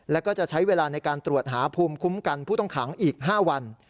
แล้วก็จะใช้เวลาในการตรวจหาภูมิคุ้มกันผู้ต้องขังอีก๕วัน